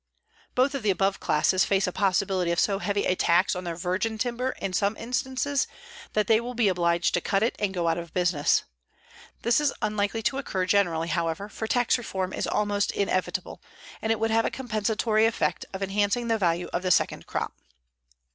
(Both of the above classes face a possibility of so heavy a tax on their virgin timber in some instances that they will be obliged to cut it and go out of business. This is unlikely to occur generally, however, for tax reform is almost inevitable, and it would have a compensatory effect of enhancing the value of the second crop.)